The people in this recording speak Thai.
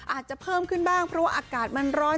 อาจจะเพิ่มขึ้นบ้างเพราะว่าอากาศมันร้อน